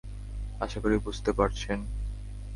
আশা করি বুঝতে পেরেছেন।